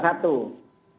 apakah cuma satu